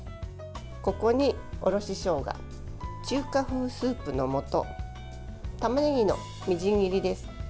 ここに、おろししょうが中華風スープのもとたまねぎのみじん切りです。